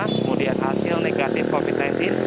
kemudian hasil negatif covid sembilan belas